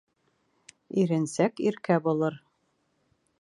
Иренсәк иркә булыр.